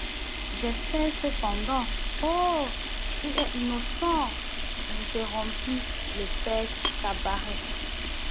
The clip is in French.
J'espère cependant … Oh ! il est innocent, interrompit le père Tabaret.